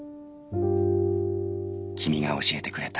「君が教えてくれた」。